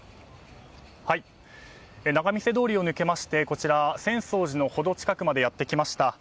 仲見世通りを抜けまして浅草寺の程近くまでやってきました。